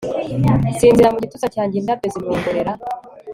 Sinzira mu gituza cyanjye indabyo zimwongorera